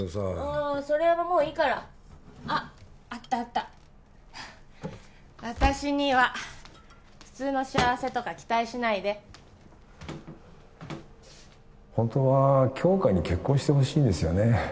あそれはもういいからあっあったあった私には普通の幸せとか期待しないで本当は杏花に結婚してほしいんですよね